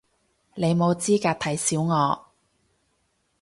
你冇資格睇小我